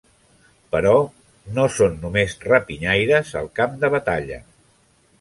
Però no són només rapinyaires al camp de batalla.